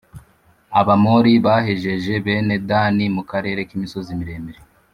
Abamori bahejeje bene Dani mu karere k’imisozi miremire,